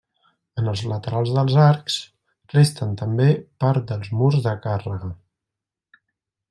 En els laterals dels arcs, resten també part dels murs de càrrega.